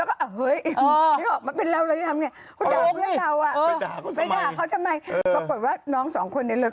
เข้าลงนี่